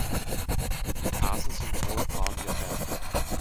Die Tarsen sind rotbraun gefärbt.